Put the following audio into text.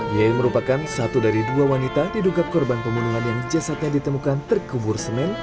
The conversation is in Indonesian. yey merupakan satu dari dua wanita diduga korban pembunuhan yang jasadnya ditemukan terkubur semen